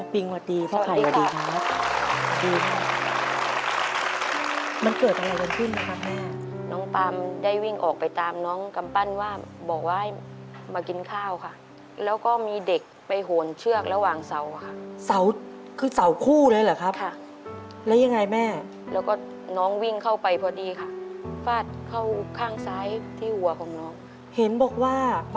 ปิงสวัสดีครับพ่อไข่สวัสดีครับ